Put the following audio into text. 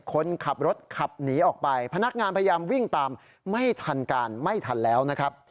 คนขับรถขับหนีออกไปพนักงานพยายามวิ่งตามไม่ทันการไม่ทันแล้วนะครับ